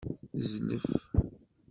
Zlef.